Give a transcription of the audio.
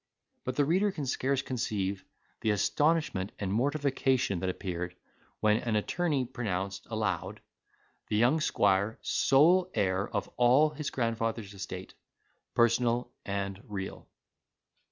But, the reader can scarce conceive the astonishment and mortification that appeared, when an attorney pronounced aloud, the young squire sole heir of all his grandfather's estate, personal and real.